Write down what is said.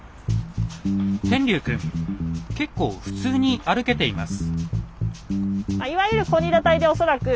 天龍くん結構普通に歩けています。